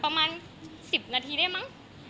ประมาณ๑๐นาทีได้มั้ง